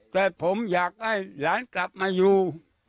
แต่ผมอยากให้หลานกลับมาอยู่